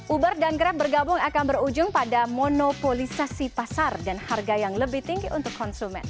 uber dan grab bergabung akan berujung pada monopolisasi pasar dan harga yang lebih tinggi untuk konsumen